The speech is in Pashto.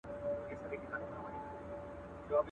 چي محفل د شرابونو به تيار وو.